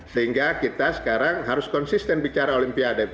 sehingga kita sekarang harus konsisten bicara olimpiade